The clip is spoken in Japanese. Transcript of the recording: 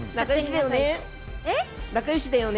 仲よしだよね？